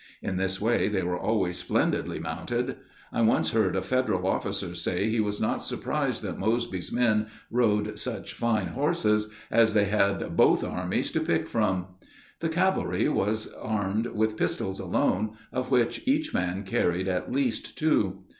In this way they were always splendidly mounted. I once heard a Federal officer say he was not surprised that Mosby's men rode such fine horses, as they had both armies to pick from. The cavalry was armed with pistols alone, of which each man carried at least two.